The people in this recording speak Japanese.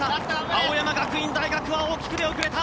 青山学院大学は大きく出遅れた！